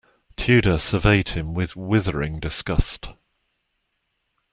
Tudor surveyed him with withering disgust.